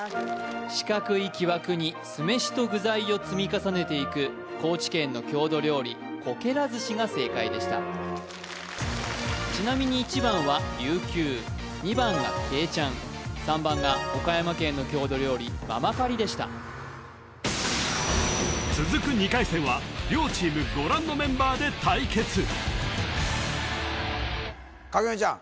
四角い木枠に酢飯と具材を積み重ねていく高知県の郷土料理こけらずしが正解でしたちなみに１番はりゅうきゅう２番はけいちゃん３番が岡山県の郷土料理ままかりでした続く２回戦は両チームご覧のメンバーで対決影山ちゃん